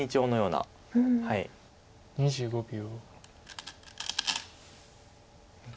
２５秒。